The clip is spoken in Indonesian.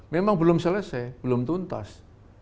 memang belum selesai belum tuntas